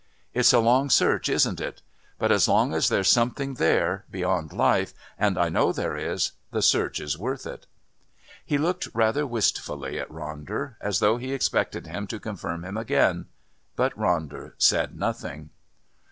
"It's a long search, isn't it? But as long as there's something there, beyond life, and I know there is, the search is worth it." He looked rather wistfully at Ronder as though he expected him to confirm him again. But Ronder said nothing.